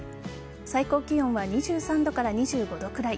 最高気温は２３度から２５度くらい。